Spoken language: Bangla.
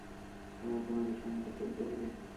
তোমার কোনো লিখা আমাকে পড়তে দিবে?